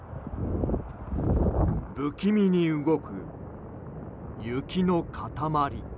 不気味に動く雪の塊。